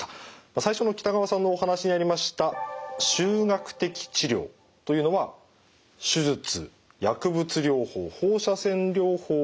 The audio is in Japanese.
最初の北川さんのお話にありました集学的治療というのは手術薬物療法放射線療法を組み合わせたものなんですね。